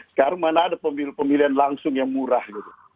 sekarang mana ada pemilihan langsung yang murah gitu